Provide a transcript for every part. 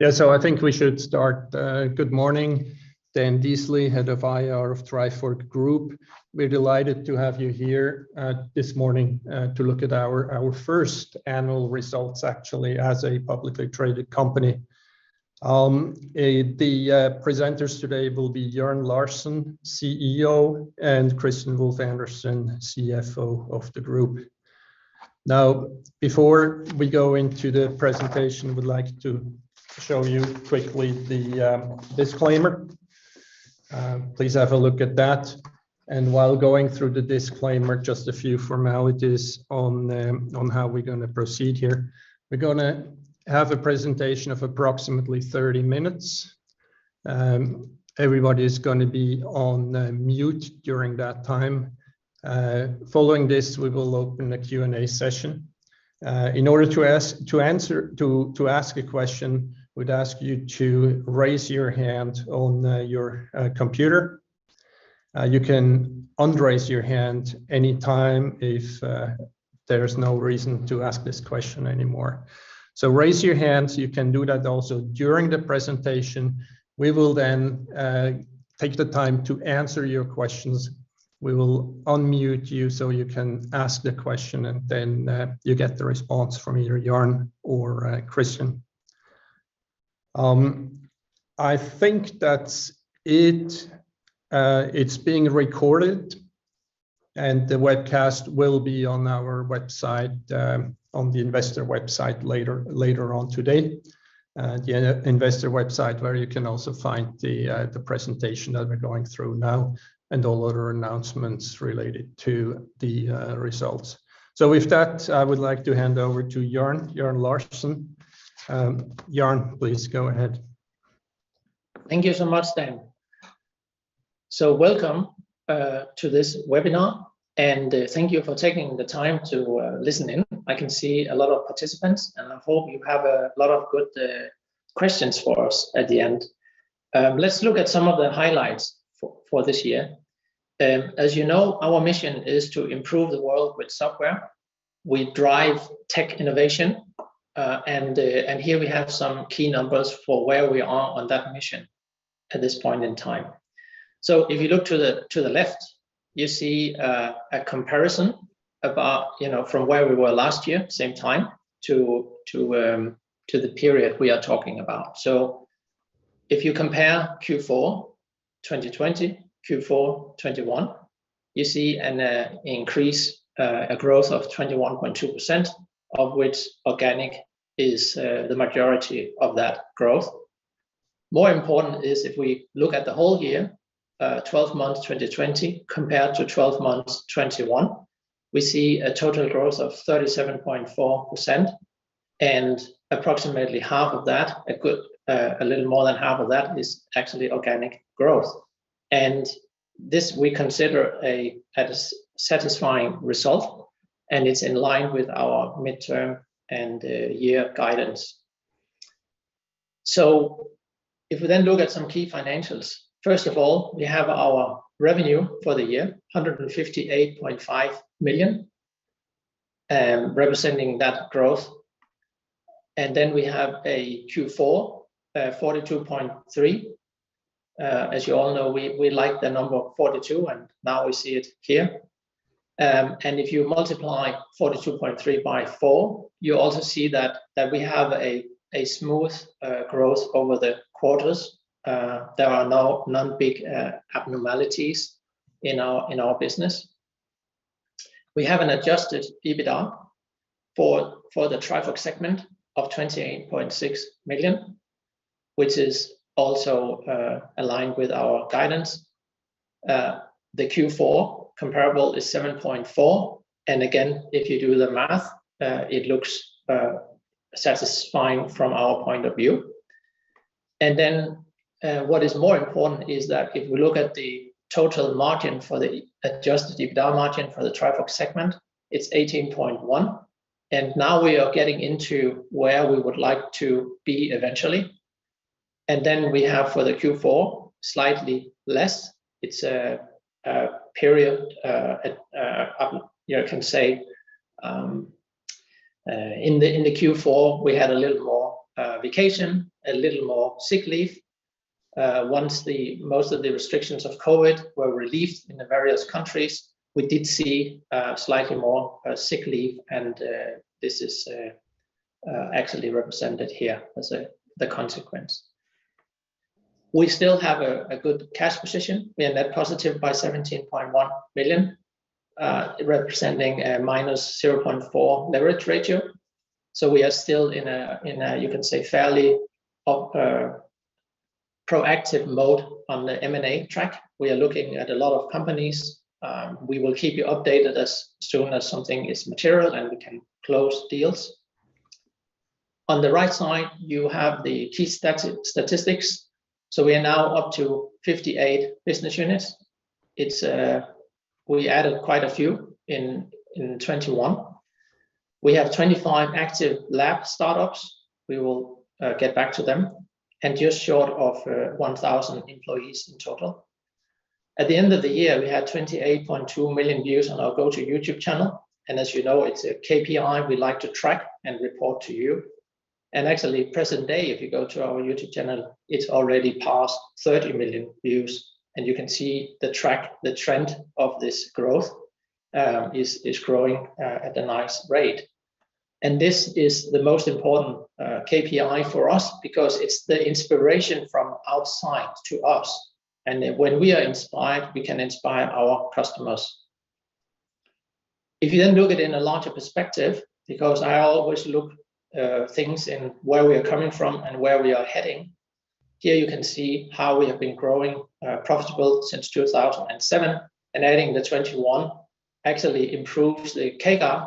Yeah, I think we should start. Good morning. Dan Dysli, Head of IR of Trifork Group. We're delighted to have you here this morning to look at our first annual results actually as a publicly traded company. The presenters today will be Jørn Larsen, CEO, and Kristian Wulf-Andersen, CFO of the group. Now, before we go into the presentation, we'd like to show you quickly the disclaimer. Please have a look at that. While going through the disclaimer, just a few formalities on how we're gonna proceed here. We're gonna have a presentation of approximately 30 minutes. Everybody is gonna be on mute during that time. Following this, we will open a Q&A session. In order to ask a question, we'd ask you to raise your hand on your computer. You can un-raise your hand any time if there is no reason to ask this question anymore. Raise your hand, you can do that also during the presentation. We will then take the time to answer your questions. We will unmute you so you can ask the question and then you get the response from either Jørn or Kristian. I think that's it. It's being recorded, and the webcast will be on our website, on the investor website later on today. The investor website where you can also find the presentation that we're going through now and all other announcements related to the results. With that, I would like to hand over to Jørn Larsen. Jørn, please go ahead. Thank you so much, Dan. Welcome to this webinar, and thank you for taking the time to listen in. I can see a lot of participants, and I hope you have a lot of good questions for us at the end. Let's look at some of the highlights for this year. As you know, our mission is to improve the world with software. We drive tech innovation, and here we have some key numbers for where we are on that mission at this point in time. If you look to the left, you see a comparison about, you know, from where we were last year, same time, to the period we are talking about. If you compare Q4 2020, Q4 2021, you see an increase, a growth of 21.2%, of which organic is the majority of that growth. More important is if we look at the whole year, twelve months 2020 compared to twelve months 2021, we see a total growth of 37.4%, and approximately half of that, a good, a little more than half of that is actually organic growth. This we consider a satisfying result, and it's in line with our midterm and year guidance. If we then look at some key financials, first of all, we have our revenue for the year, 158.5 million, representing that growth. Then we have a Q4, 42.3 million. As you all know, we like the number 42, and now we see it here. If you multiply 42.3 by four, you also see that we have a smooth growth over the quarters. There are no big abnormalities in our business. We have an adjusted EBITDA for the Trifork segment of 28.6 million, which is also aligned with our guidance. The Q4 comparable is 7.4 million, and again, if you do the math, it looks satisfying from our point of view. What is more important is that if we look at the total margin for the adjusted EBITDA margin for the Trifork segment, it's 18.1%, and now we are getting into where we would like to be eventually. We have for the Q4, slightly less. It's a period, you know, can say, in the Q4, we had a little more vacation, a little more sick leave. Once most of the restrictions of COVID were released in the various countries, we did see slightly more sick leave, and this is actually represented here as the consequence. We still have a good cash position. We are net positive by 17.1 million, representing a -0.4 leverage ratio. We are still in a, you can say, fairly upbeat proactive mode on the M&A track. We are looking at a lot of companies. We will keep you updated as soon as something is material, and we can close deals. On the right side, you have the key statistics. We are now up to 58 business units. It's we added quite a few in 2021. We have 25 active lab startups. We will get back to them. Just short of 1,000 employees in total. At the end of the year, we had 28.2 million views on our GOTO YouTube channel, and as you know, it's a KPI we like to track and report to you. Actually, present day, if you go to our YouTube channel, it's already past 30 million views, and you can see the trend of this growth is growing at a nice rate. This is the most important KPI for us because it's the inspiration from outside to us. When we are inspired, we can inspire our customers. If you then look at it in a larger perspective, because I always look at things in where we are coming from and where we are heading, here you can see how we have been growing profitable since 2007. Adding the 2021 actually improves the CAGR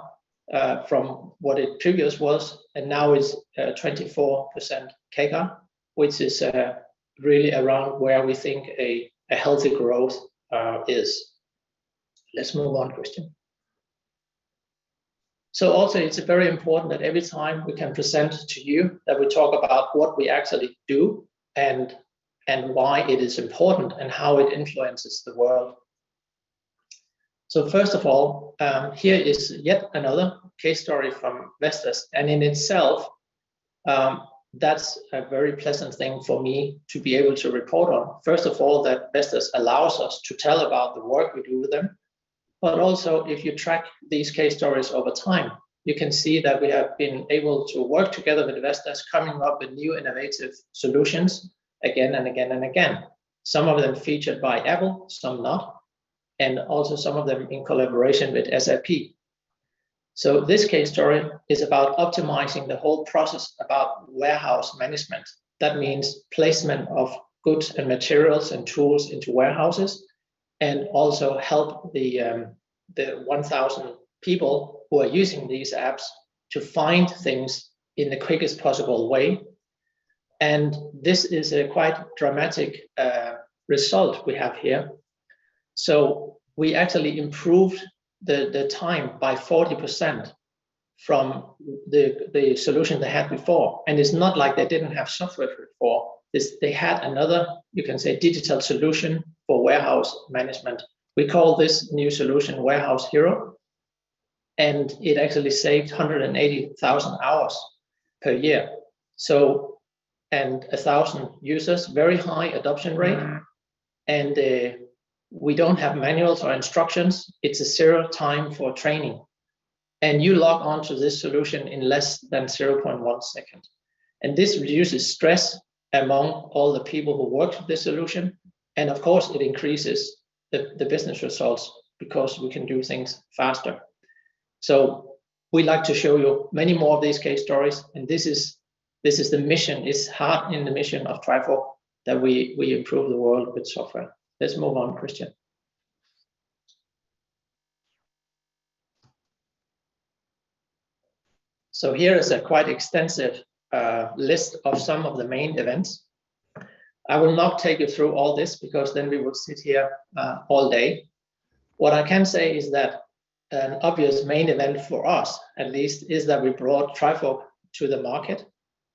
from what it previously was, and now is 24% CAGR, which is really around where we think a healthy growth is. Let's move on, Kristian. Also, it's very important that every time we can present to you that we talk about what we actually do and why it is important and how it influences the world. First of all, here is yet another case story from Vestas. In itself, that's a very pleasant thing for me to be able to report on. First of all, that Vestas allows us to tell about the work we do with them, but also if you track these case stories over time, you can see that we have been able to work together with Vestas, coming up with new innovative solutions again and again and again. Some of them featured by Apple, some not, and also some of them in collaboration with SAP. This case story is about optimizing the whole process about warehouse management. That means placement of goods and materials and tools into warehouses, and also help the 1,000 people who are using these apps to find things in the quickest possible way. This is a quite dramatic result we have here. We actually improved the time by 40% from the solution they had before. It's not like they didn't have software before this. They had another, you can say, digital solution for warehouse management. We call this new solution Warehouse Hero, and it actually saved 180,000 hours per year. 1,000 users, very high adoption rate. We don't have manuals or instructions. It's a zero time for training. You log on to this solution in less than 0.1 second. This reduces stress among all the people who work with this solution. Of course it increases the business results because we can do things faster. We'd like to show you many more of these case stories, and this is the mission. It's heart in the mission of Trifork that we improve the world with software. Let's move on, Kristian. Here is a quite extensive list of some of the main events. I will not take you through all this because then we would sit here all day. What I can say is that an obvious main event for us at least is that we brought Trifork to the market.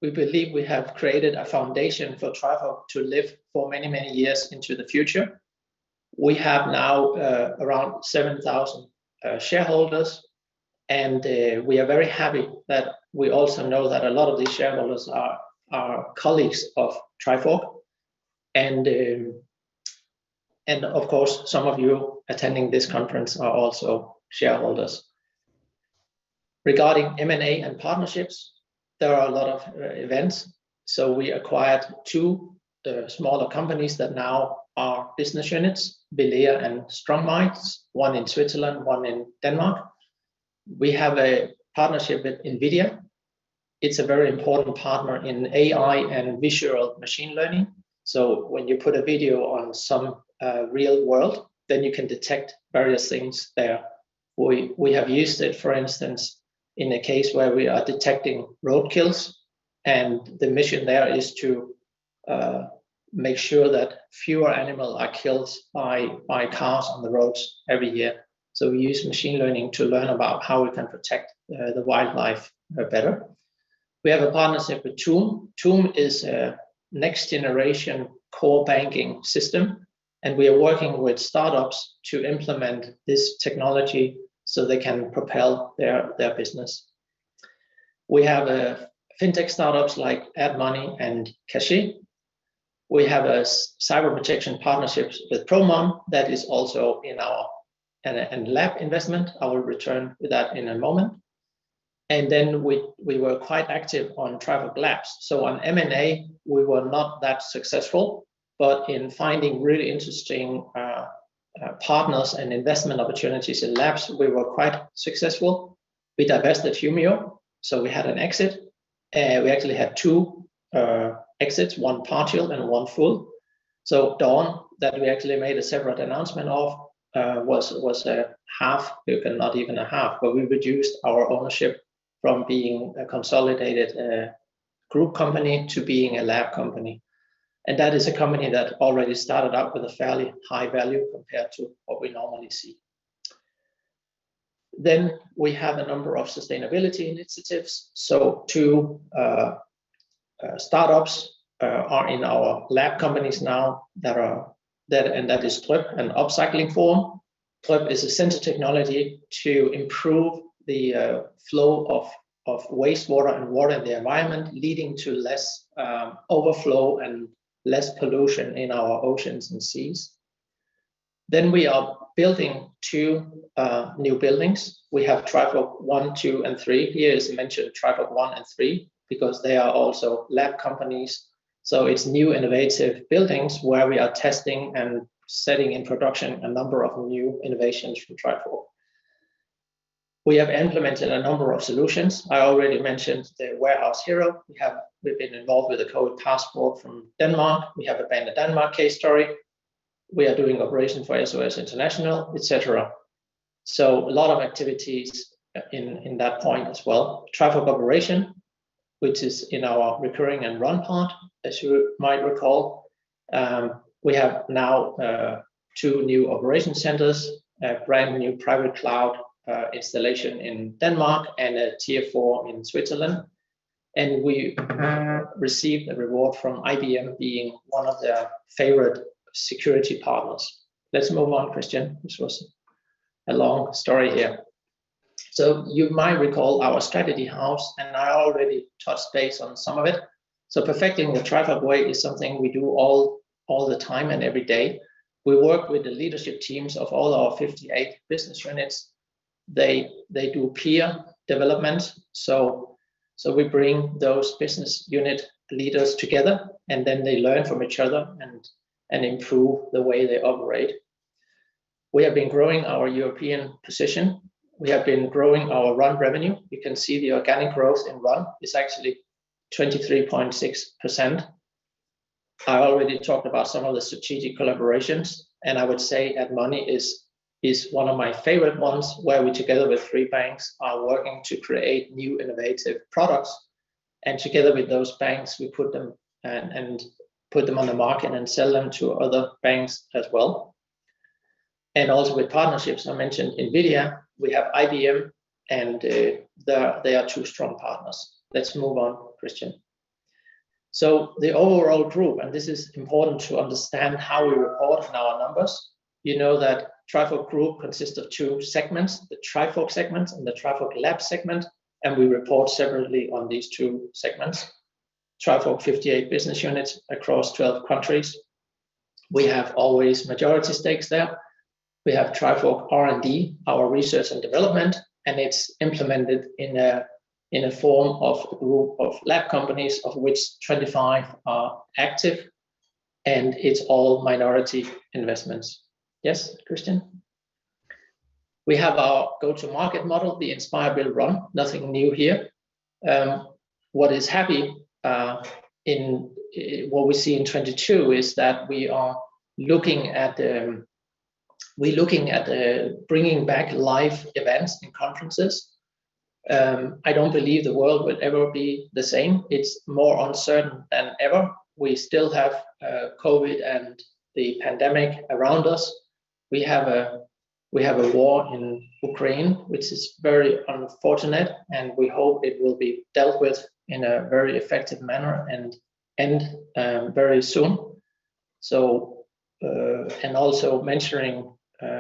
We believe we have created a foundation for Trifork to live for many, many years into the future. We have now around 7,000 shareholders, and we are very happy that we also know that a lot of these shareholders are colleagues of Trifork. Of course, some of you attending this conference are also shareholders. Regarding M&A and partnerships, there are a lot of events. We acquired two smaller companies that now are business units, Vilea and STRONGMINDS, one in Switzerland, one in Denmark. We have a partnership with NVIDIA. It's a very important partner in AI and visual machine learning. When you put a video on some real world, then you can detect various things there. We have used it, for instance, in a case where we are detecting roadkills, and the mission there is to make sure that fewer animal are killed by cars on the roads every year. We use machine learning to learn about how we can protect the wildlife better. We have a partnership with Tuum. Tuum is a next-generation core banking system, and we are working with startups to implement this technology so they can propel their business. We have fintech startups like Addmoney and Cashie. We have a cyber protection partnerships with Promon that is also in our Labs investment. I will return with that in a moment. We were quite active on Trifork Labs. On M&A, we were not that successful. In finding really interesting partners and investment opportunities in labs, we were quite successful. We divested Humio, so we had an exit. We actually had two exits, one partial and one full. Dawn, that we actually made a separate announcement of, was not even a half, but we reduced our ownership from being a consolidated group company to being a lab company. That is a company that already started out with a fairly high value compared to what we normally see. We have a number of sustainability initiatives. Two startups are in our Lab companies now, and that is Dryp and Upcycling Forum. Dryp is a sensor technology to improve the flow of wastewater and water in the environment, leading to less overflow and less pollution in our oceans and seas. We are building two new buildings. We have Trifork one, two, and three. Here is mentioned Trifork one and three because they are also Labs companies, so it's new innovative buildings where we are testing and setting in production a number of new innovations from Trifork. We have implemented a number of solutions. I already mentioned the Warehouse Hero. We've been involved with the Corona Passport from Denmark. We have the Banedanmark case story. We are doing operation for SOS International, et cetera. A lot of activities in that point as well. Trifork Operation, which is in our recurring and Run part, as you might recall. We have now two new operation centers, a brand-new private cloud installation in Denmark and a Tier IV in Switzerland. We have received an award from IBM being one of their favorite security partners. Let's move on, Kristian. This was a long story here. You might recall our strategy house, and I already touched base on some of it. Perfecting the Trifork Way is something we do all the time and every day. We work with the leadership teams of all our 58 business units. They do peer development. We bring those business unit leaders together, and then they learn from each other and improve the way they operate. We have been growing our European position. We have been growing our Run revenue. You can see the organic growth in Run is actually 23.6%. I already talked about some of the strategic collaborations, and I would say Addmoney is one of my favorite ones, where we together with three banks are working to create new innovative products. Together with those banks, we put them on the market and sell them to other banks as well. Also with partnerships, I mentioned NVIDIA. We have IBM and they are two strong partners. Let's move on, Kristian. The overall group, and this is important to understand how we report on our numbers. You know that Trifork Group consists of two segments, the Trifork segment and the Trifork Labs segment, and we report separately on these two segments. Trifork, 58 business units across 12 countries. We have always majority stakes there. We have Trifork R&D, our research and development, and it's implemented in a form of group of Lab companies, of which 25 are active, and it's all minority investments. Yes, Kristian. We have our go-to-market model, the Inspire, Build, Run. Nothing new here. What we see in 2022 is that we are looking at bringing back live events and conferences. I don't believe the world will ever be the same. It's more uncertain than ever. We still have COVID and the pandemic around us. We have a war in Ukraine, which is very unfortunate, and we hope it will be dealt with in a very effective manner and end very soon. Also mentioning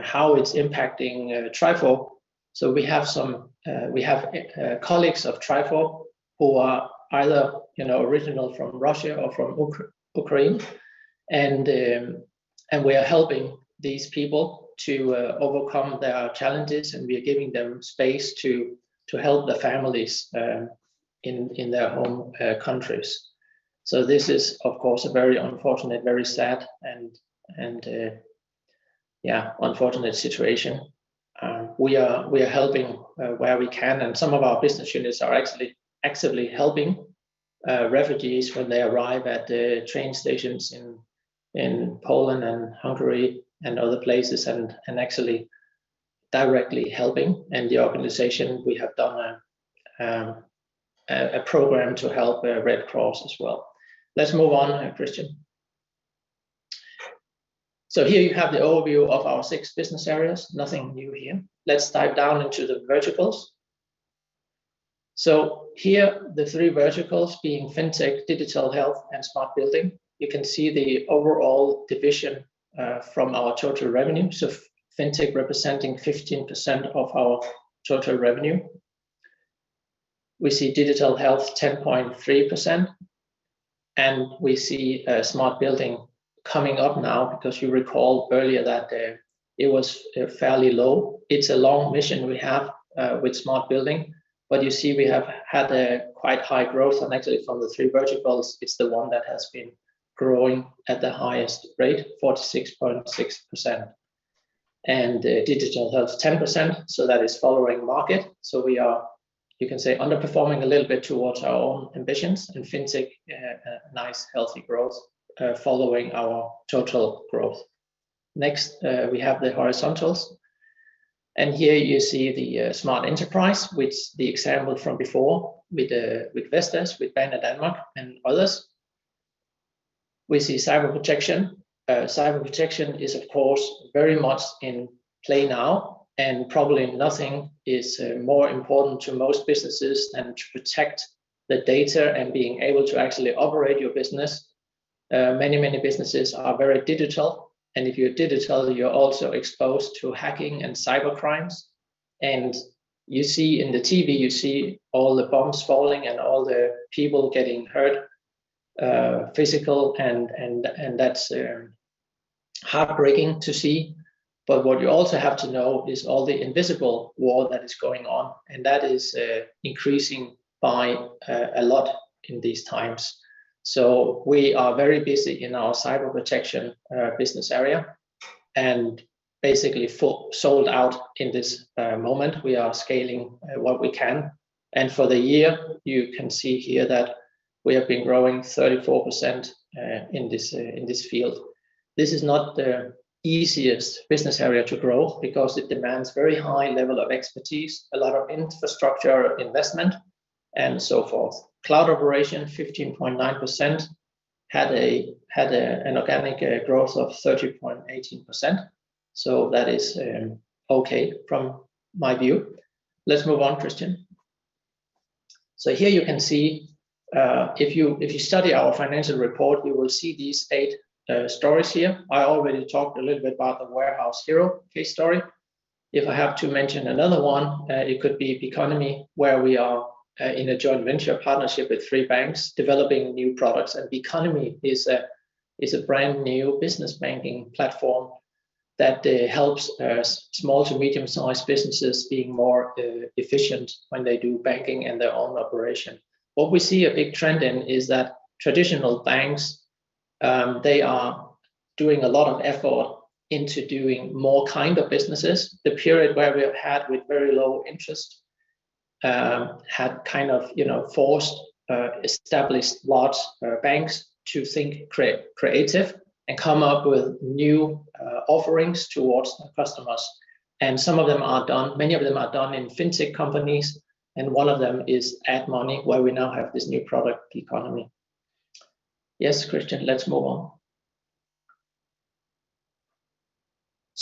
how it's impacting Trifork. We have some colleagues of Trifork who are either, you know, originally from Russia or from Ukraine, and we are helping these people to overcome their challenges, and we are giving them space to help the families in their home countries. This is, of course, a very unfortunate, very sad, and unfortunate situation. We are helping where we can, and some of our business units are actually actively helping refugees when they arrive at the train stations in Poland and Hungary and other places and actually directly helping. In the organization, we have done a program to help Red Cross as well. Let's move on, Kristian. Here you have the overview of our six business areas. Nothing new here. Let's dive down into the verticals. Here, the three verticals being Fintech, Digital Health, and Smart Building. You can see the overall division from our total revenue. Fintech representing 15% of our total revenue. We see Digital Health 10.3%, and we see Smart Building coming up now because you recall earlier that it was fairly low. It's a long mission we have with Smart Building, but you see we have had a quite high growth. Actually, from the three verticals, it's the one that has been growing at the highest rate, 46.6%. Digital Health, 10%, so that is following market. We are, you can say, underperforming a little bit towards our own ambitions. In Fintech, nice healthy growth following our total growth. Next, we have the horizontals. Here you see the Smart Enterprise, which the example from before with Vestas, with Banedanmark and others. We see cyber protection. Cyber protection is of course very much in play now, and probably nothing is more important to most businesses than to protect the data and being able to actually operate your business. Many businesses are very digital, and if you're digital, you're also exposed to hacking and cyber crimes. You see on the TV all the bombs falling and all the people getting hurt, physical and that's heartbreaking to see. What you also have to know is all the invisible war that is going on, and that is increasing by a lot in these times. We are very busy in our cyber protection business area, and basically sold out in this moment. We are scaling what we can. For the year, you can see here that we have been growing 34% in this field. This is not the easiest business area to grow because it demands very high level of expertise, a lot of infrastructure investment and so forth. Cloud operation, 15.9%, had an organic growth of 30.18%, so that is okay from my view. Let's move on, Kristian. Here you can see, if you study our financial report, you will see these eight stories here. I already talked a little bit about the Warehouse Hero case story. If I have to mention another one, it could be bconomy, where we are in a joint venture partnership with three banks developing new products. bconomy is a brand-new business banking platform that helps small to medium sized businesses being more efficient when they do banking in their own operation. What we see a big trend in is that traditional banks, they are doing a lot of effort into doing more kind of businesses. The period where we have had with very low interest had kind of, you know, forced established large banks to think creative and come up with new offerings towards the customers. Some of them are done, many of them are done in fintech companies, and one of them is Addmoney, where we now have this new product, bconomy. Yes, Kristian, let's move on.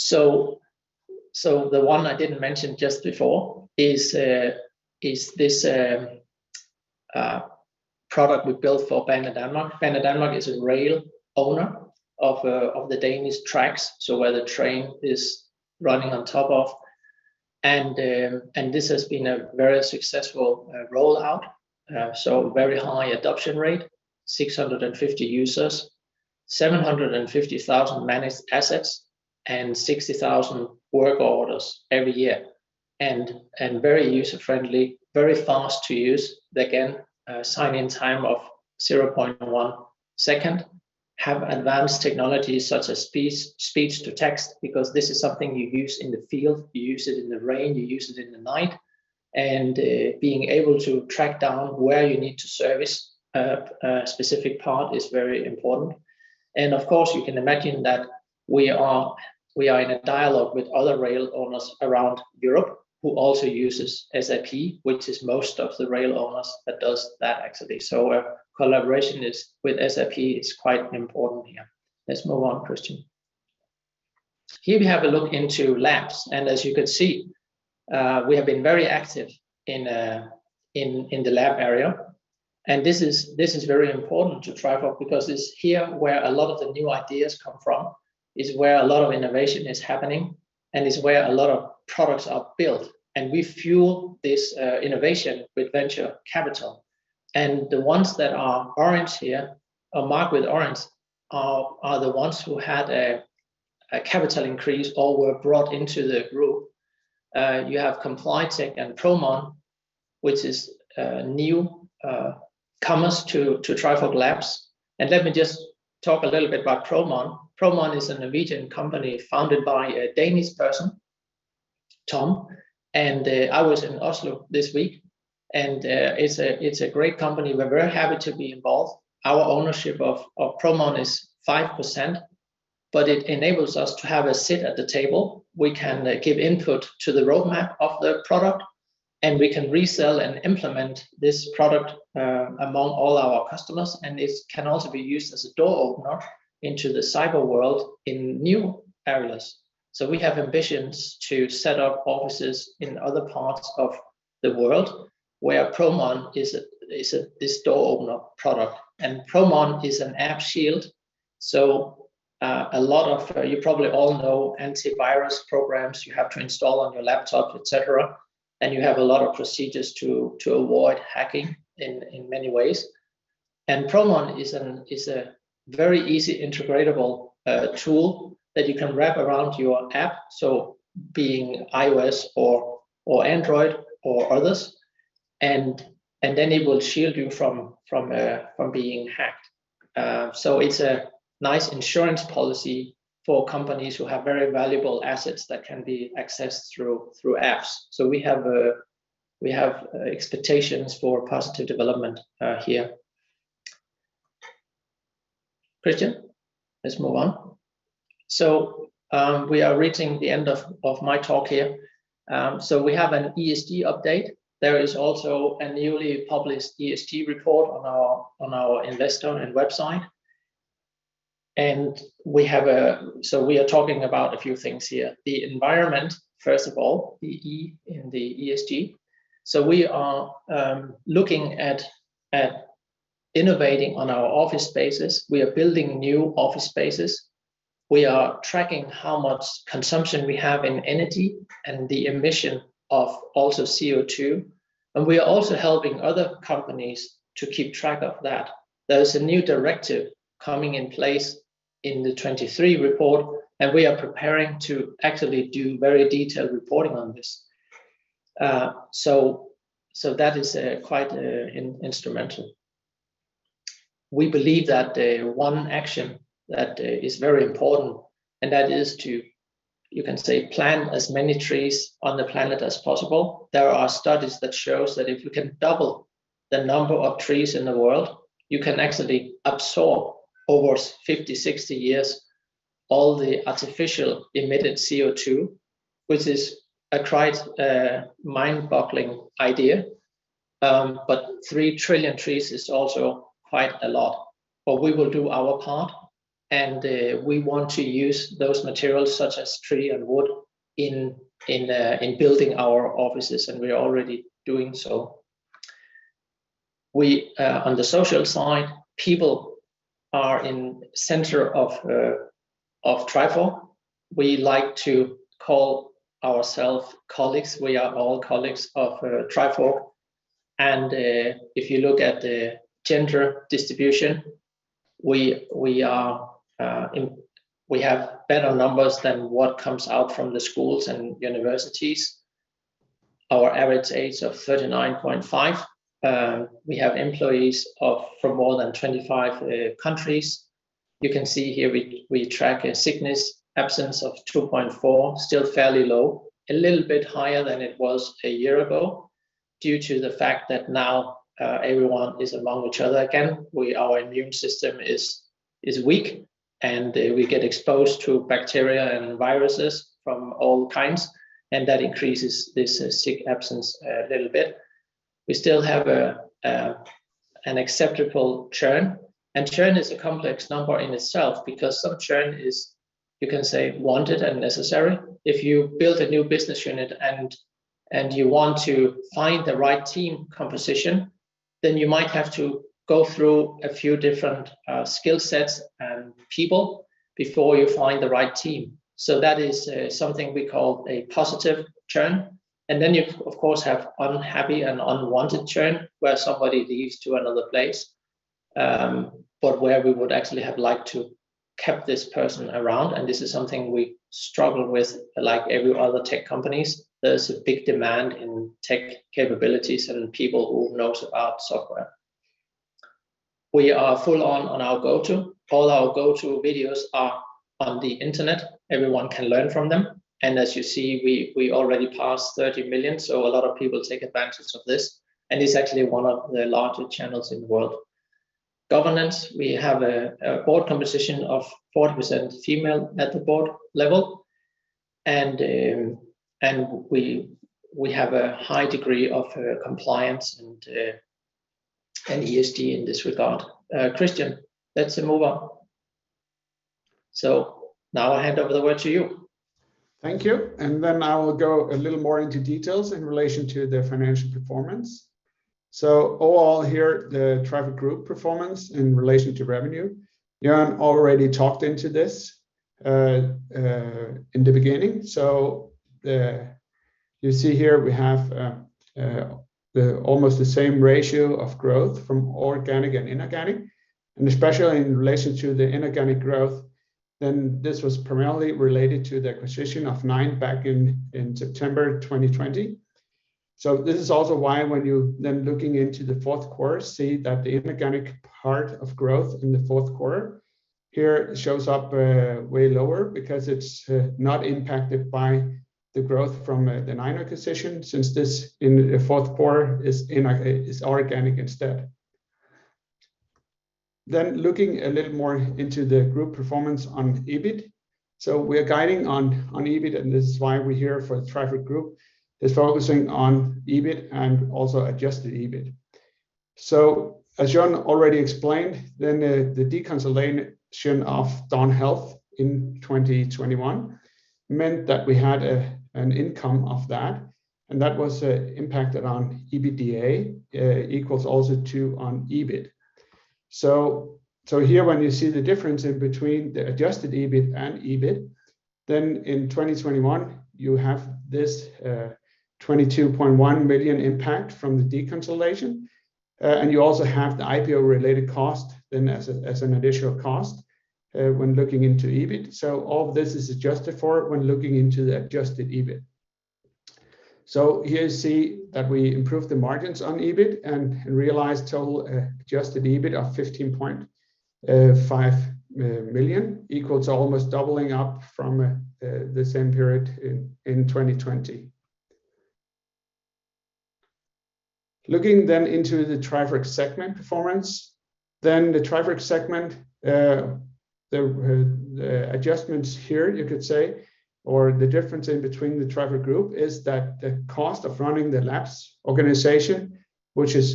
The one I didn't mention just before is this product we built for Banedanmark. Banedanmark is a rail owner of the Danish tracks, so where the train is running on top of. This has been a very successful rollout, very high adoption rate, 650 users, 750,000 managed assets, and 60,000 work orders every year. Very user-friendly, very fast to use. Again, sign-in time of 0.1 second. It has advanced technologies such as speech-to-text because this is something you use in the field, you use it in the rain, you use it in the night, and being able to track down where you need to service a specific part is very important. Of course, you can imagine that we are in a dialogue with other rail owners around Europe who also uses SAP, which is most of the rail owners that does that actually. Our collaboration is with SAP is quite important here. Let's move on, Kristian. Here we have a look into labs. As you can see, we have been very active in the lab area. This is very important to Trifork because it's here where a lot of the new ideas come from. It's where a lot of innovation is happening, and it's where a lot of products are built. We fuel this innovation with venture capital. The ones that are orange here are marked with orange are the ones who had a capital increase or were brought into the group. You have ComplianceTech and Promon, which is newcomer to Trifork Labs. Let me just talk a little bit about Promon. Promon is a Norwegian company founded by a Danish person, Tom, and I was in Oslo this week, and it's a great company. We're very happy to be involved. Our ownership of Promon is 5%, but it enables us to have a seat at the table. We can give input to the roadmap of the product, and we can resell and implement this product among all our customers. This can also be used as a door opener into the cyber world in new areas. We have ambitions to set up offices in other parts of the world where Promon is a door opener product. Promon is an app shield, so a lot of you probably all know antivirus programs you have to install on your laptop, etc., and you have a lot of procedures to avoid hacking in many ways. Promon is a very easy integratable tool that you can wrap around your app, so being iOS or Android or others and then it will shield you from being hacked. It's a nice insurance policy for companies who have very valuable assets that can be accessed through apps. We have expectations for positive development here. Kristian, let's move on. We are reaching the end of my talk here. We have an ESG update. There is also a newly published ESG report on our investor and website. We have a. We are talking about a few things here. The environment, first of all, the E in the ESG. We are looking at innovating on our office spaces. We are building new office spaces. We are tracking how much consumption we have in energy and the emission of also CO2, and we are also helping other companies to keep track of that. There is a new directive coming in place in the 2023 report, and we are preparing to actually do very detailed reporting on this. That is quite instrumental. We believe that one action that is very important and that is to, you can say, plant as many trees on the planet as possible. There are studies that shows that if you can double the number of trees in the world, you can actually absorb over 50-60 years all the artificial emitted CO2, which is quite a mind-boggling idea. Three trillion trees is also quite a lot. We will do our part, and we want to use those materials such as tree and wood in building our offices, and we are already doing so. On the social side, people are at the center of Trifork. We like to call ourselves colleagues. We are all colleagues of Trifork. If you look at the gender distribution, we have better numbers than what comes out from the schools and universities. Our average age is 39.5. We have employees from more than 25 countries. You can see here we track a sickness absence of 2.4, still fairly low, a little bit higher than it was a year ago due to the fact that now everyone is among each other again. Our immune system is weak, and we get exposed to bacteria and viruses from all kinds, and that increases this sick absence a little bit. We still have an acceptable churn. Churn is a complex number in itself because some churn is, you can say, wanted and necessary. If you build a new business unit and you want to find the right team composition, then you might have to go through a few different skill sets and people before you find the right team. That is something we call a positive churn. Then you of course have unhappy and unwanted churn where somebody leaves to another place, but where we would actually have liked to kept this person around. This is something we struggle with like every other tech companies. There's a big demand in tech capabilities and in people who knows about software. We are full on our GOTO. All our GOTO videos are on the internet. Everyone can learn from them. As you see, we already passed 30 million so a lot of people take advantage of this. It's actually one of the largest channels in the world. Governance, we have a board composition of 40% female at the board level. We have a high degree of compliance and ESG in this regard. Kristian, let's move on. Now I hand over the word to you. Thank you. I will go a little more into details in relation to the financial performance. Overall here, the Trifork Group performance in relation to revenue. Jørn already talked about this in the beginning. You see here we have almost the same ratio of growth from organic and inorganic, and especially in relation to the inorganic growth, this was primarily related to the acquisition of Nine back in September 2020. This is also why when you then looking into the fourth quarter see that the inorganic part of growth in the fourth quarter here shows up way lower because it's not impacted by the growth from the Nine acquisition since this in the fourth quarter is organic instead. Looking a little more into the group performance on EBIT. We are guiding on EBIT, and this is why we're here for Trifork Group is focusing on EBIT and also adjusted EBIT. As Jørn already explained, the deconsolidation of Dawn Health in 2021 meant that we had an income of that, and that was impacted on EBITDA, equal also to on EBIT. Here when you see the difference in between the adjusted EBIT and EBIT, then in 2021 you have this 22.1 million impact from the deconsolidation. And you also have the IPO-related cost then as an additional cost when looking into EBIT. All of this is adjusted for when looking into the adjusted EBIT. Here you see that we improved the margins on EBIT and realized total adjusted EBIT of 15.5 million, equals almost doubling up from the same period in 2020. Looking then into the Trifork segment performance, then the Trifork segment adjustments here you could say, or the difference in between the Trifork Group is that the cost of running the labs organization, which is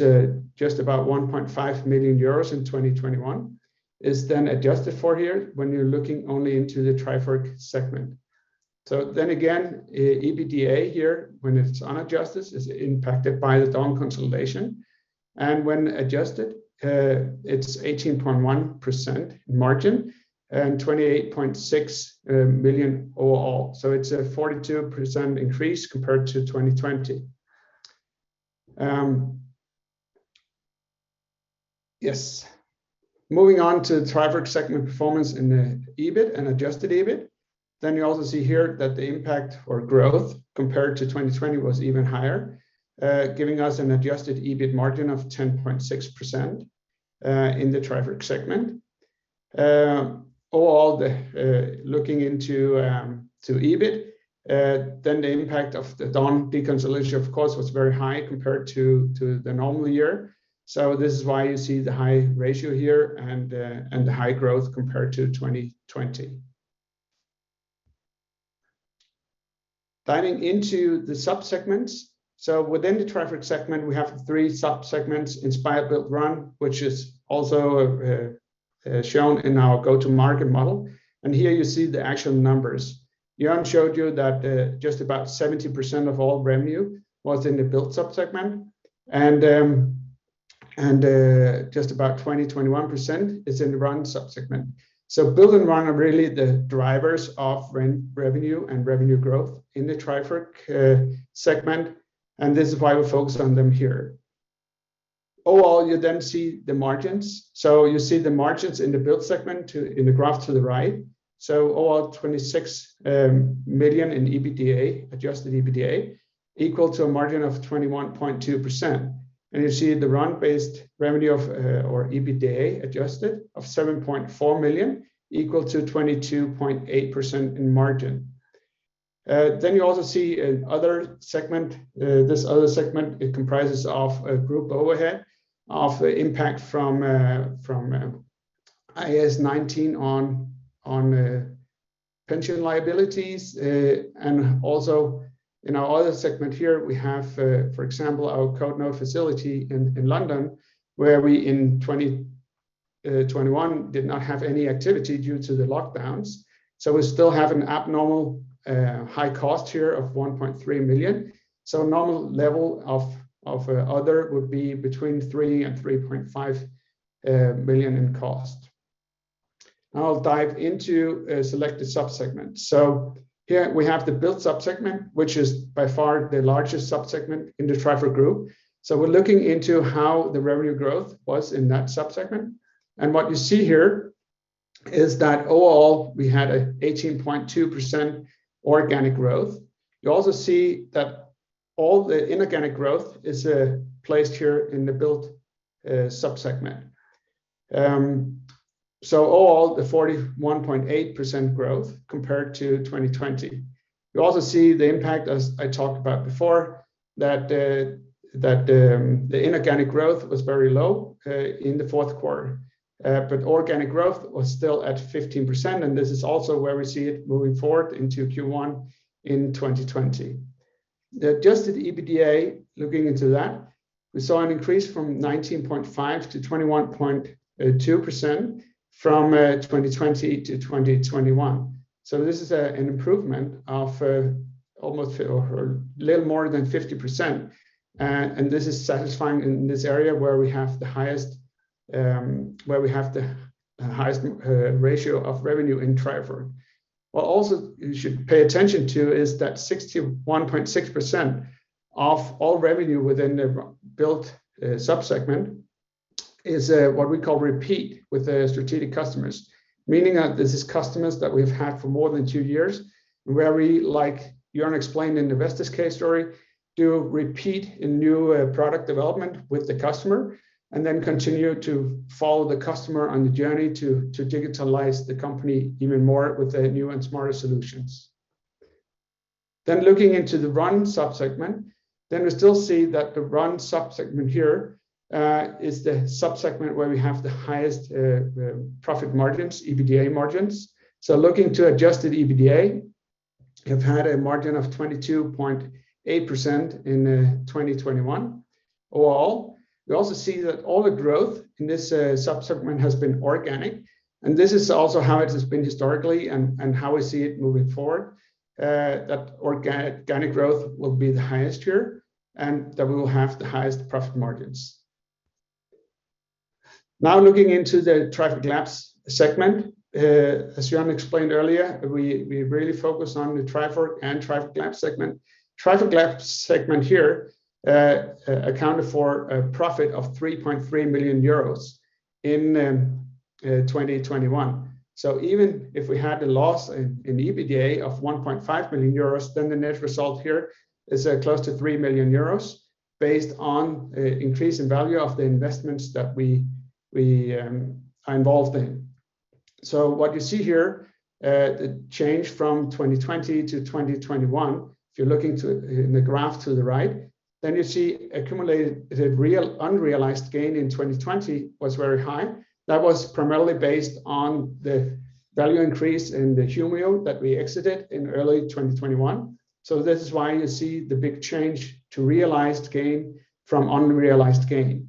just about 1.5 million euros in 2021, is then adjusted for here when you're looking only into the Trifork segment. EBITDA here, when it's unadjusted, is impacted by the DAWN consolidation, and when adjusted, it's 18.1% margin and 28.6 million overall. It's a 42% increase compared to 2020. Moving on to Trifork segment performance in the EBIT and adjusted EBIT. You also see here that the impact or growth compared to 2020 was even higher, giving us an adjusted EBIT margin of 10.6% in the Trifork segment. Overall, looking into EBIT, then the impact of the Dawn deconsolidation of course was very high compared to the normal year. This is why you see the high ratio here and the high growth compared to 2020. Diving into the sub-segments. Within the Trifork segment, we have three sub-segments, Inspire, Build, Run, which is also shown in our go-to-market model. Here you see the actual numbers. Jørn showed you that just about 70% of all revenue was in the Build sub-segment and just about 21% is in the Run sub-segment. Build and Run are really the drivers of revenue and revenue growth in the Trifork segment, and this is why we focus on them here. Overall, you then see the margins. You see the margins in the Build segment in the graph to the right. Overall, 26 million in EBITDA, adjusted EBITDA, equal to a margin of 21.2%. You see the Run-based EBITDA adjusted of 7.4 million equal to 22.8% in margin. You also see an other segment. This other segment, it comprises of a group overhead of the impact from IAS 19 on pension liabilities. Also in our other segment here, we have, for example, our Code Node facility in London where we in 2021 did not have any activity due to the lockdowns. We still have an abnormal high cost here of 1.3 million. Normal level of other would be between 3-3.5 million in cost. Now I'll dive into selected sub-segments. Here we have the Build sub-segment, which is by far the largest sub-segment in the Trifork Group. We're looking into how the revenue growth was in that sub-segment. What you see here is that overall, we had an 18.2% organic growth. You also see that all the inorganic growth is placed here in the Build sub-segment. All the 41.8% growth compared to 2020. You also see the impact, as I talked about before, that the inorganic growth was very low in the fourth quarter. Organic growth was still at 15%, and this is also where we see it moving forward into Q1 in 2020. The adjusted EBITDA, looking into that, we saw an increase from 19.5%-21.2% from 2020-2021. This is an improvement of almost, or a little more than 50%. This is satisfying in this area where we have the highest ratio of revenue in Trifork. What you also should pay attention to is that 61.6% of all revenue within the Build sub-segment is what we call repeat with the strategic customers, meaning that this is customers that we've had for more than two years, where we, like Jørn explained in Vestas case story, do repeat in new product development with the customer and then continue to follow the customer on the journey to digitalize the company even more with the new and smarter solutions. Looking into the Run sub-segment, we still see that the Run sub-segment here is the sub-segment where we have the highest profit margins, EBITDA margins. Looking to adjusted EBITDA, we have had a margin of 22.8% in 2021 overall. We also see that all the growth in this sub-segment has been organic, and this is also how it has been historically and how we see it moving forward, that organic growth will be the highest here, and that we will have the highest profit margins. Now looking into the Trifork Labs segment. As Jørn explained earlier, we really focus on the Trifork and Trifork Labs segment. Trifork Labs segment here accounted for a profit of 3.3 million euros in 2021. Even if we had a loss in EBITDA of 1.5 million euros, then the net result here is close to 3 million euros based on increase in value of the investments that we are involved in. What you see here, the change from 2020 to 2021, if you're looking to the graph to the right, then you see the accumulated realized and unrealized gain in 2020 was very high. That was primarily based on the value increase in Humio that we exited in early 2021, so this is why you see the big change to realized gain from unrealized gain.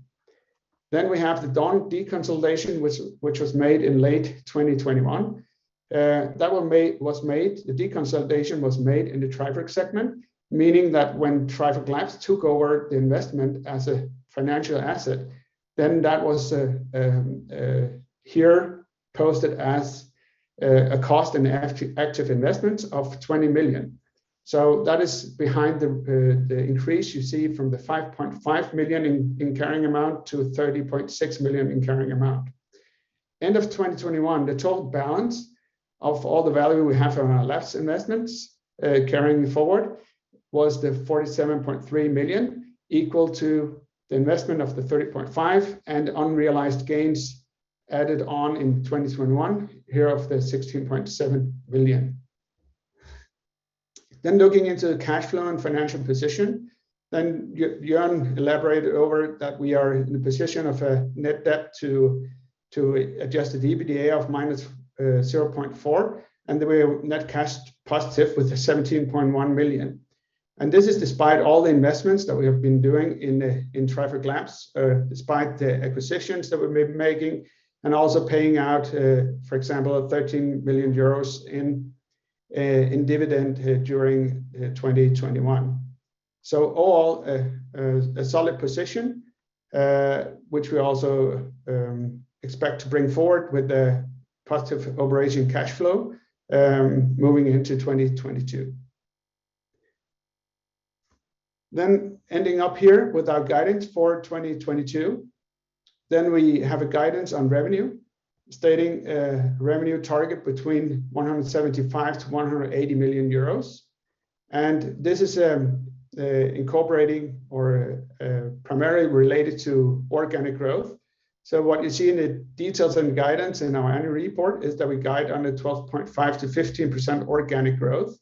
We have the Dawn deconsolidation, which was made in late 2021. The deconsolidation was made in the Trifork segment, meaning that when Trifork Labs took over the investment as a financial asset, that was here posted as a cost and active investment of 20 million. That is behind the increase you see from the 5.5 million in carrying amount to 30.6 million in carrying amount. End of 2021, the total balance of all the value we have from our Labs investments, carrying forward was the 47.3 million, equal to the investment of the 30.5 million and unrealized gains added on in 2021, hereof the 16.7 million. Looking into cash flow and financial position, Jørn elaborated that we are in a position of a net debt to adjusted EBITDA of -0.4x, and we are net cash positive with 17.1 million. This is despite all the investments that we have been doing in Trifork Labs, despite the acquisitions that we've been making and also paying out, for example, 13 million euros in dividend during 2021. All a solid position, which we also expect to bring forward with a positive operating cash flow moving into 2022. Ending up here with our guidance for 2022. We have a guidance on revenue, stating a revenue target between 175-180 million euros, and this is primarily related to organic growth. What you see in the details and guidance in our annual report is that we guide on the 12.5%-15% organic growth.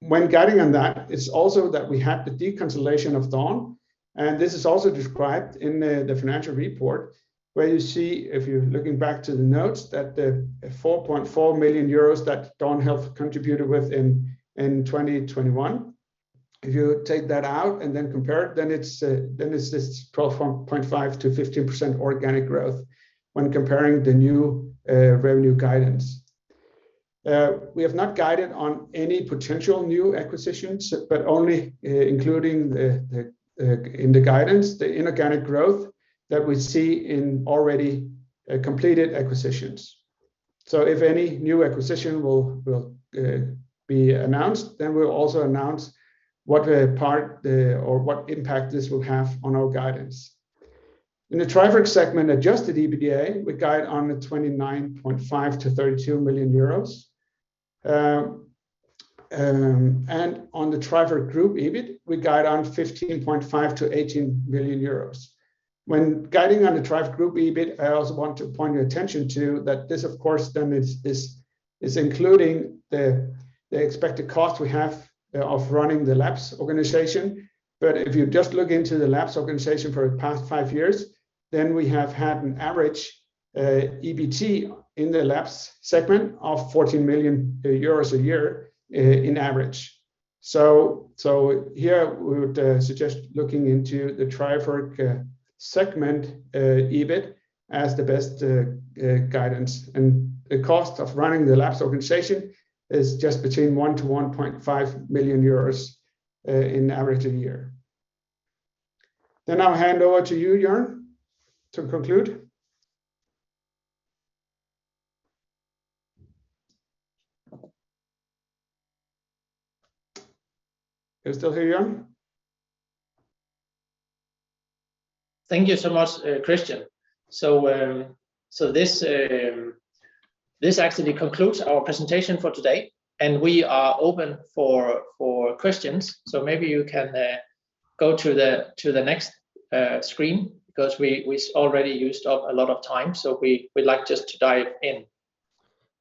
When guiding on that, it's also that we had the deconsolidation of Dawn, and this is also described in the financial report, where you see, if you're looking back to the notes, that the 4.4 million euros that Dawn have contributed with in 2021, if you take that out and then compare it, then it's this 12.5%-15% organic growth when comparing the new revenue guidance. We have not guided on any potential new acquisitions, but only including the inorganic growth in the guidance that we see in already completed acquisitions. If any new acquisition will be announced, then we'll also announce what part or what impact this will have on our guidance. In the Trifork segment, adjusted EBITDA, we guide on EUR 29.5 million-EUR 32 million. On the Trifork Group EBIT, we guide on 15.5 million-18 million euros. When guiding on the Trifork Group EBIT, I also want to point your attention to that this of course then is including the expected cost we have of running the Labs organization. If you just look into the labs organization for the past five years, then we have had an average EBT in the labs segment of 14 million euros a year in average. Here we would suggest looking into the Trifork segment EBIT as the best guidance. The cost of running the labs organization is just between 1 million-1.5 million euros in average a year. I'll hand over to you, Jørn, to conclude. You still here, Jørn? Thank you so much, Kristian. This actually concludes our presentation for today, and we are open for questions. Maybe you can go to the next screen, because we already used up a lot of time, so we would like just to dive in.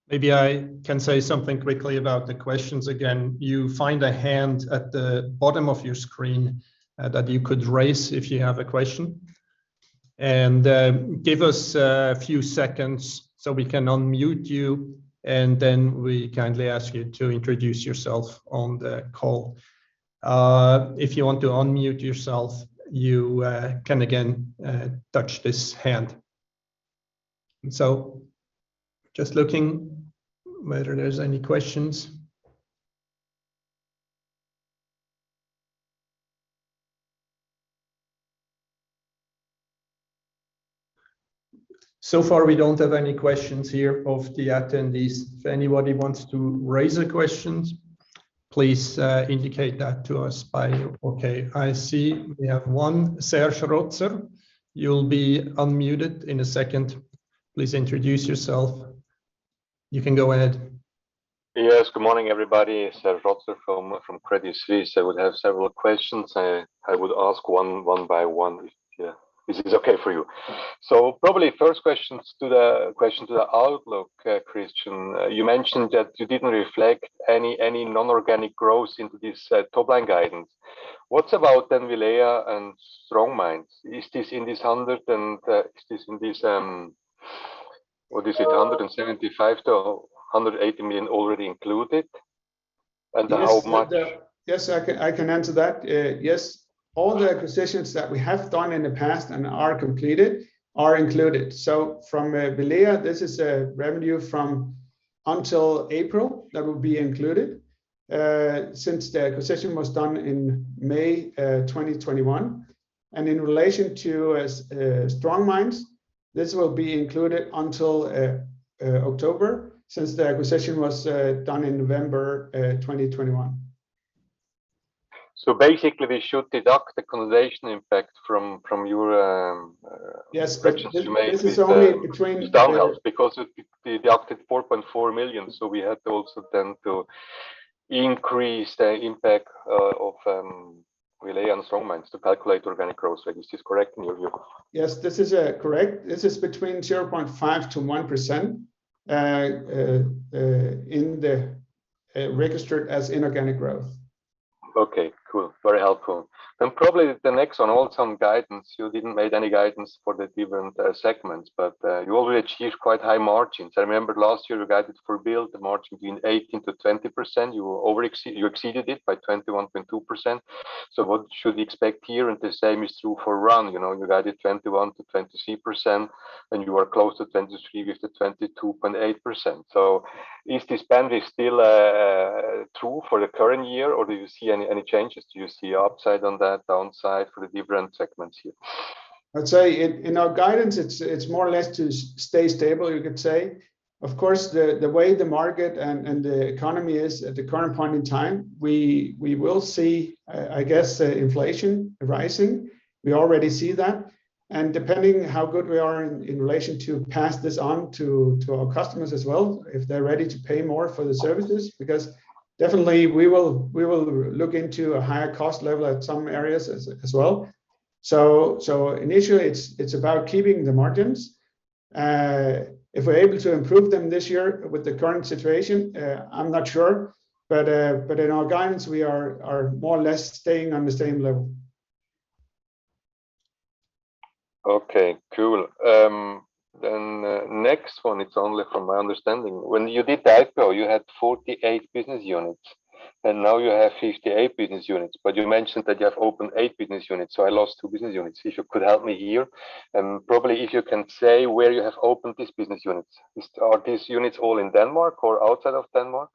Maybe I can say something quickly about the questions again. You find a hand at the bottom of your screen that you could raise if you have a question. Give us a few seconds so we can unmute you, and then we kindly ask you to introduce yourself on the call. If you want to unmute yourself, you can again touch this hand. Just looking whether there's any questions. So far we don't have any questions here of the attendees. If anybody wants to raise a question, please indicate that to us. Okay, I see we have one Serge Rotzer. You'll be unmuted in a second. Please introduce yourself. You can go ahead. Yes. Good morning, everybody. It's Serge Rotzer from Credit Suisse. I would have several questions. I would ask one by one if this is okay for you. Probably first question to the outlook, Kristian. You mentioned that you didn't reflect any non-organic growth into this top-line guidance. What about then Vilea and STRONGMINDS? Is this in this hundred and seventy-five to hundred and eighty million already included? And how much- Yes, I can answer that. All the acquisitions that we have done in the past and are completed are included. From Vilea, this is revenue from until April that will be included, since the acquisition was done in May 2021. In relation to STRONGMINDS, this will be included until October, since the acquisition was done in November 2021. Basically we should deduct the consolidation impact from your Yes, but this is only between. The adjustments you made with the numbers because it deducts 4.4 million. We had to also then to increase the impact of Vilea and STRONGMINDS to calculate organic growth. Is this correct in your view? Yes, this is correct. This is between 0.5%-1% registered as inorganic growth. Okay, cool. Very helpful. Probably the next one, all time guidance, you didn't make any guidance for the different segments, but you already achieved quite high margins. I remember last year you guided for Build the margin between 18%-20%. You exceeded it by 21.2%. What should we expect here? The same is true for Run, you know. You guided 21%-23%, and you are close to 23% with the 22.8%. Is this band still true for the current year, or do you see any changes? Do you see upside on that, downside for the different segments here? I'd say in our guidance, it's more or less to stay stable, you could say. Of course, the way the market and the economy is at the current point in time, we will see inflation rising. We already see that. Depending how good we are in relation to pass this on to our customers as well, if they're ready to pay more for the services. Because definitely we will look into a higher cost level at some areas as well. Initially it's about keeping the margins. If we're able to improve them this year with the current situation, I'm not sure. In our guidance, we are more or less staying on the same level. Okay, cool. Next one, it's only from my understanding. When you did the IPO, you had 48 business units, and now you have 58 business units. But you mentioned that you have opened eight business units, so I lost two business units. If you could help me here, and probably if you can say where you have opened these business units. Are these units all in Denmark or outside of Denmark?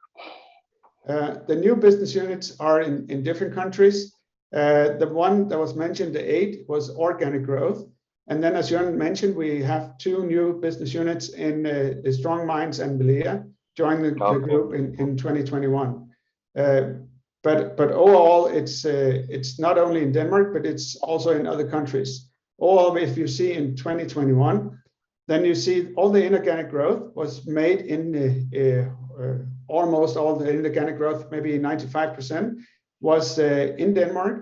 The new business units are in different countries. The one that was mentioned, the eight, was organic growth. As Jørn mentioned, we have two new business units in the STRONGMINDS and Vilea joined the group. Okay In 2021. Overall it's not only in Denmark, but it's also in other countries. Overall, if you see in 2021, then you see almost all the inorganic growth, maybe 95%, was in Denmark.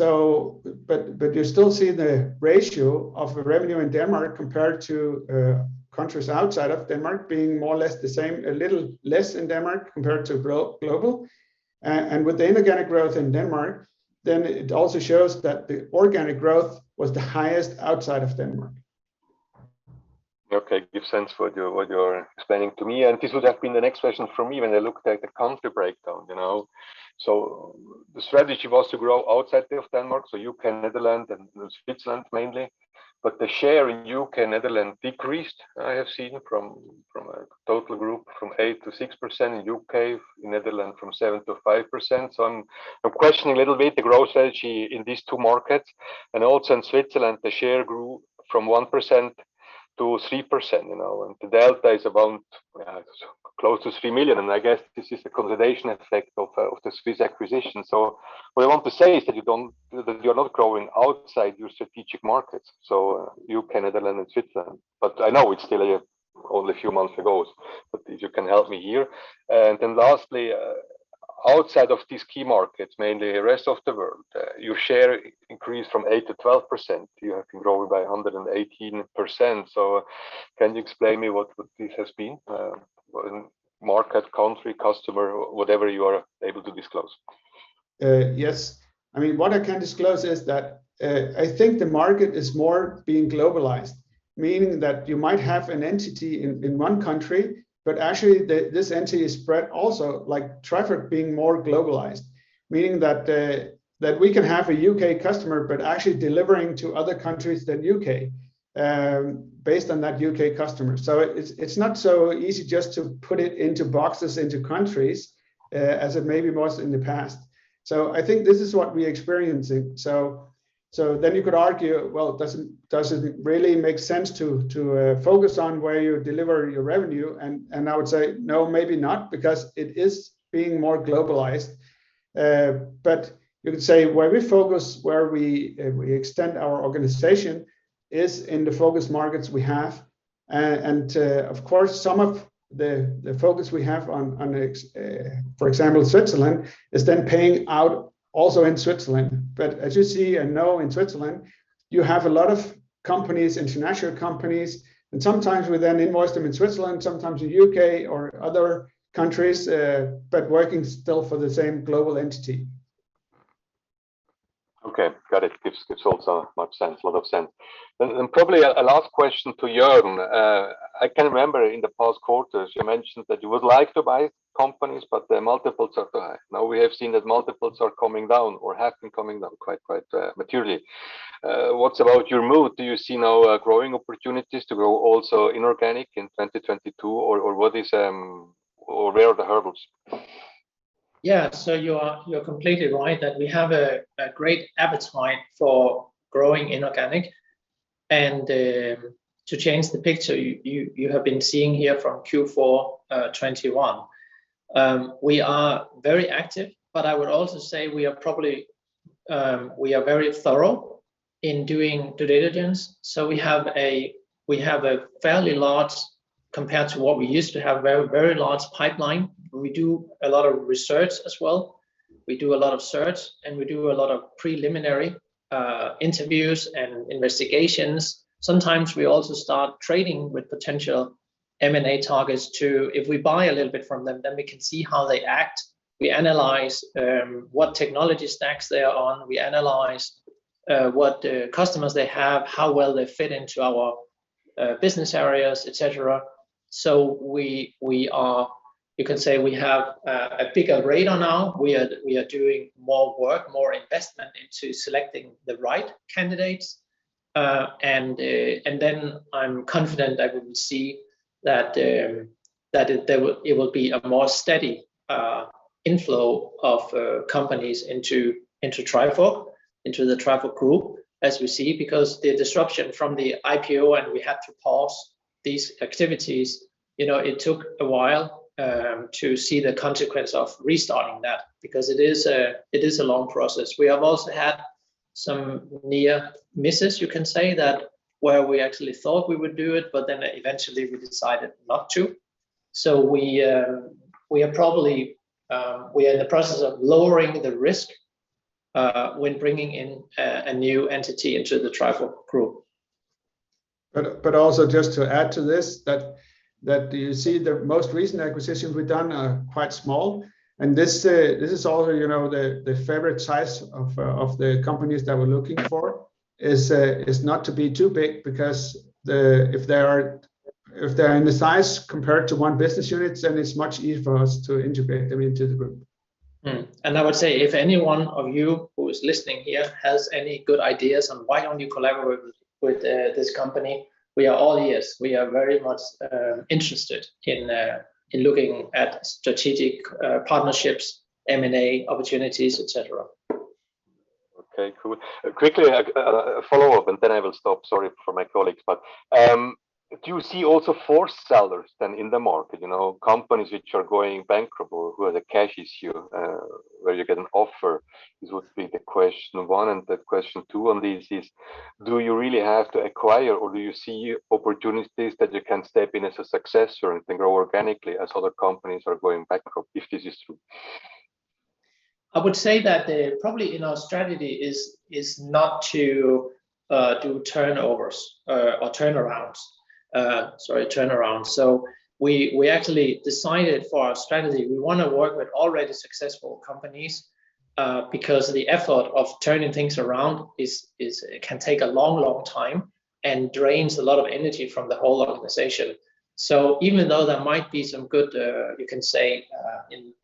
You still see the ratio of the revenue in Denmark compared to countries outside of Denmark being more or less the same, a little less in Denmark compared to global. With the inorganic growth in Denmark, then it also shows that the organic growth was the highest outside of Denmark. Okay. It makes sense what you're explaining to me. This would have been the next question from me when I looked at the country breakdown, you know. The strategy was to grow outside of Denmark, U.K. and Netherlands and Switzerland mainly. The share in U.K. and Netherlands decreased, I have seen, from a total group from 8%-6% in U.K. In Netherlands from 7%-5%. I'm questioning a little bit the growth strategy in these two markets. In Switzerland, the share grew from 1%-3%, you know. The delta is around close to 3 million, and I guess this is the consolidation effect of the Swiss acquisition. What I want to say is that you're not growing outside your strategic markets, so U.K., Netherlands and Switzerland. I know it's still only a few months ago, but if you can help me here. Lastly, outside of these key markets, mainly rest of the world, your share increased from 8%-12%. You have grown by 118%. Can you explain me what this has been in market, country, customer, whatever you are able to disclose? Yes. I mean, what I can disclose is that I think the market is more being globalized, meaning that you might have an entity in one country, but actually this entity is spread also, like traffic being more globalized, meaning that that we can have a U.K. customer, but actually delivering to other countries than U.K., based on that U.K. customer. It's not so easy just to put it into boxes into countries, as it maybe was in the past. I think this is what we're experiencing. Then you could argue, well, does it really make sense to focus on where you deliver your revenue? I would say no, maybe not, because it is being more globalized. You could say where we focus, we extend our organization is in the focus markets we have. Of course, some of the focus we have on, for example, Switzerland is then paying out also in Switzerland. As you see and know in Switzerland, you have a lot of companies, international companies, and sometimes we then invoice them in Switzerland, sometimes the U.K. or other countries, but working still for the same global entity. Okay. Got it. Makes a lot of sense. Then probably a last question to Jørn. I remember in the past quarters you mentioned that you would like to buy companies, but the multiples are too high. Now we have seen that multiples are coming down or have been coming down quite materially. What about your mood? Do you see now growing opportunities to grow also inorganic in 2022? Or where are the hurdles? Yeah. You are, you're completely right that we have a great appetite for growing inorganic, and to change the picture you have been seeing here from Q4 2021. We are very active, but I would also say we are probably very thorough in doing due diligence, so we have a fairly large, compared to what we used to have, very large pipeline. We do a lot of research as well. We do a lot of sorts, and we do a lot of preliminary interviews and investigations. Sometimes we also start trading with potential M&A targets too. If we buy a little bit from them, then we can see how they act. We analyze what technology stacks they are on. We analyze what customers they have, how well they fit into our business areas, et cetera. You can say we have a bigger radar now. We are doing more work, more investment into selecting the right candidates. I'm confident that we will see that there will be a more steady inflow of companies into Trifork, into the Trifork Group as we see, because the disruption from the IPO and we had to pause these activities, you know, it took a while to see the consequence of restarting that because it is a long process. We have also had some near misses, you can say, that where we actually thought we would do it, but then eventually we decided not to. We are probably in the process of lowering the risk when bringing in a new entity into the Trifork Group. Also just to add to this that you see the most recent acquisitions we've done are quite small, and this is also, you know, the favorite size of the companies that we're looking for is not to be too big because if they are in the size compared to one business unit, then it's much easier for us to integrate them into the group. I would say if any one of you who is listening here has any good ideas on why don't you collaborate with this company, we are all ears. We are very much interested in looking at strategic partnerships, M&A opportunities, et cetera. Okay, cool. Quickly, a follow-up, and then I will stop, sorry for my colleagues. Do you see also for sellers then in the market, you know, companies which are going bankrupt or who have a cash issue, where you get an offer? This would be the question one. The question two on this is do you really have to acquire, or do you see opportunities that you can step in as a successor and grow organically as other companies are going bankrupt, if this is true? I would say that probably in our strategy is not to do turnovers or turnarounds. We actually decided for our strategy, we wanna work with already successful companies because the effort of turning things around is it can take a long time and drains a lot of energy from the whole organization. Even though there might be some good you can say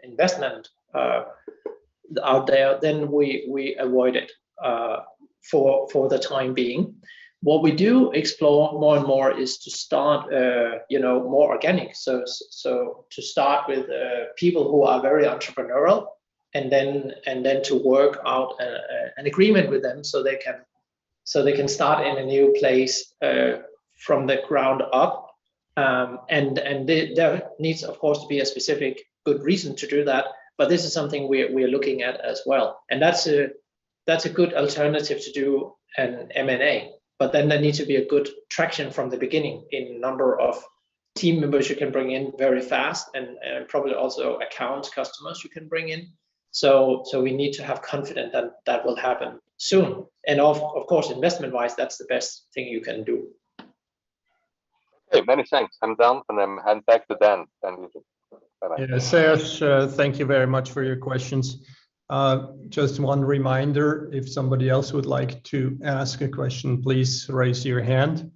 investment out there, then we avoid it for the time being. What we do explore more and more is to start you know more organic. To start with people who are very entrepreneurial and then to work out an agreement with them, so they can start in a new place from the ground up. There needs of course to be a specific good reason to do that, but this is something we're looking at as well. That's a good alternative to do an M&A. Then there need to be a good traction from the beginning in number of team members you can bring in very fast and probably also customers you can bring in. We need to have confidence that that will happen soon. Of course, investment-wise, that's the best thing you can do. Okay. Many thanks. I'm done, and I'm handing back to Dan. Dan, you can. Bye-bye. Yeah. Serge, thank you very much for your questions. Just one reminder, if somebody else would like to ask a question, please raise your hand.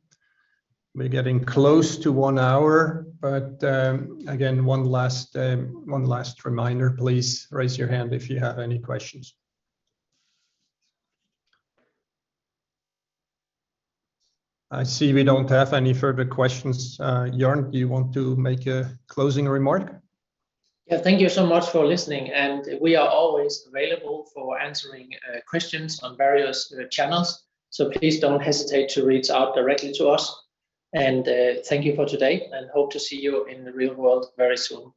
We're getting close to one hour, but again, one last reminder, please raise your hand if you have any questions. I see we don't have any further questions. Jørn, do you want to make a closing remark? Yeah. Thank you so much for listening, and we are always available for answering questions on various channels. Please don't hesitate to reach out directly to us. Thank you for today and hope to see you in the real world very soon.